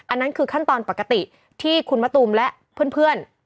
อันนั้นคือขั้นตอนปกติที่คุณมะตูมและเพื่อน